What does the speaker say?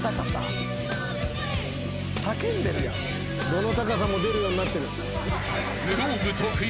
どの高さも出るようになってる。